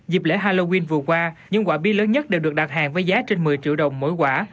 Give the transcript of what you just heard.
dịp lễ halloween vừa qua những quả bi lớn nhất đều được đặt hàng với giá trên một mươi triệu đồng mỗi quả